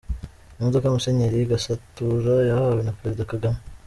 Imodoka Musenyeri Gasatura yahawe na Perezida Kagame.